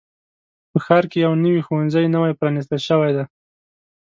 په ښار کې یو نوي ښوونځی نوی پرانیستل شوی دی.